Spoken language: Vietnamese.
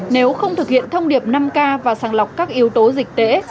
nếu không thực hiện thông điệp năm k và sàng lọc các yếu tố dịch tễ